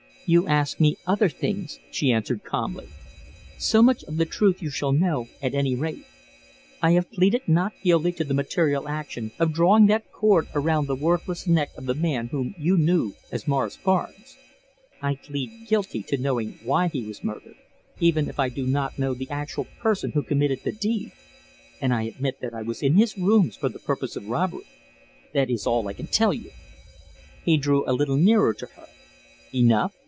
"You asked me other things," she answered calmly. "So much of the truth you shall know, at any rate. I have pleaded not guilty to the material action of drawing that cord around the worthless neck of the man whom you knew as Morris Barnes. I plead guilty to knowing why he was murdered, even if I do not know the actual person who committed the deed, and I admit that I was in his rooms for the purpose of robbery. That is all I can tell you." He drew a little nearer to her. "Enough!